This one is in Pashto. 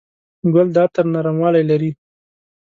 ګل د عطر نرموالی لري.